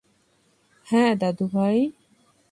হ্যাঁ দাদু ভাই!